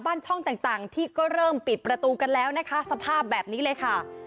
ช่องต่างที่ก็เริ่มปิดประตูกันแล้วนะคะสภาพแบบนี้เลยค่ะ